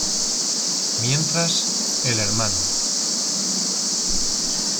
Mientras, el Hno.